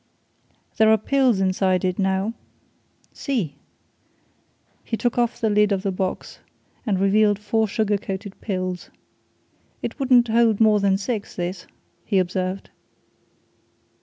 "There are pills inside it, now. See!" He took off the lid of the box and revealed four sugar coated pills. "It wouldn't hold more than six, this," he observed.